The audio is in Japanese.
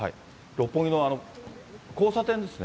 六本木のあの交差点ですね。